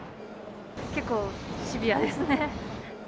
結構シビアですね。